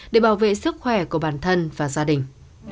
để bảo vệ sức khỏe của bản thân và gia đình